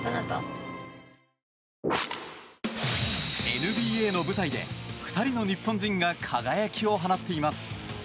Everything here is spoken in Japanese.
ＮＢＡの舞台で２人の日本人が輝きを放っています。